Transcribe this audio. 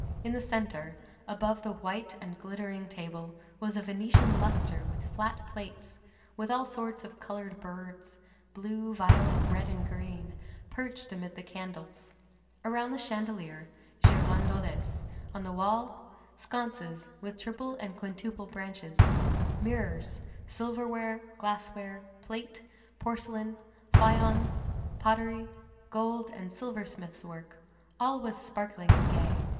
In the centre, above the white and glittering table, was a Venetian lustre with flat plates, with all sorts of colored birds, blue, violet, red, and green, perched amid the candles; around the chandelier, girandoles, on the walls, sconces with triple and quintuple branches; mirrors, silverware, glassware, plate, porcelain, faïence, pottery, gold and silversmith's work, all was sparkling and gay.